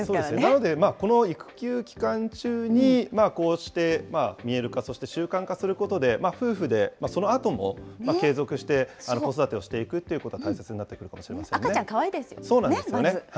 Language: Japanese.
なのでこの育休期間中にこうして見える化、そして習慣化することで、夫婦でそのあとも継続して子育てをしていくということが大切にな赤ちゃん、かわいいですしね、そうなんですよね。